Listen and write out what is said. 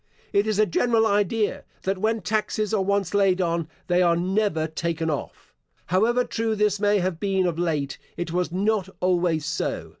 It is a general idea, that when taxes are once laid on, they are never taken off. However true this may have been of late, it was not always so.